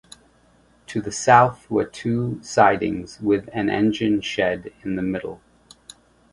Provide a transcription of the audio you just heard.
To the south were two sidings with an engine shed in the middle.